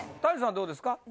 谷さんはどうですか？